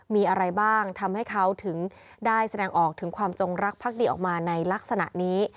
มีอะไรบ้างทำให้เขาถึงได้แสดงออกถึงความจงรักพักดีออกมาในลักษณะนี้